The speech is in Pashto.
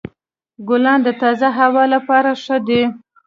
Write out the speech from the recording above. ګلان د تازه هوا لپاره ښه دي.